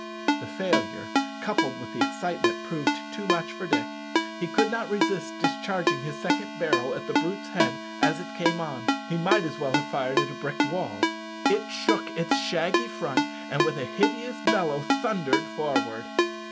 The failure, coupled with the excitement, proved too much for Dick; he could not resist discharging his second barrel at the brute's head as it came on. He might as well have fired at a brick wall. It shook its shaggy front, and with a hideous bellow thundered forward.